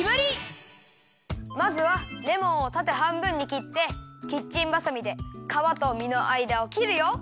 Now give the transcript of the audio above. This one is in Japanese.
まずはレモンをたてはんぶんにきってキッチンばさみでかわとみのあいだをきるよ。